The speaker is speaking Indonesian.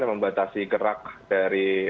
yang membatasi gerak dari